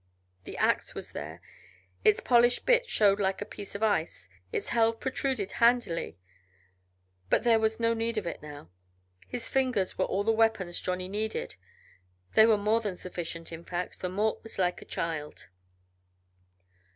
The ax was there, its polished bit showed like a piece of ice, its helve protruded handily, but there was no need of it now; his fingers were all the weapons Johnny needed; they were more than sufficient, in fact, for Mort was like a child.